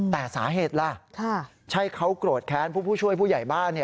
แต่สาเหตุล่ะใช่เขาโกรธแค้นผู้ช่วยผู้ใหญ่บ้าน